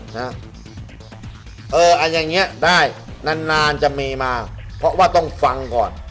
นะเอออันอย่างเงี้ยได้นานนานจะมีมาเพราะว่าต้องฟังก่อน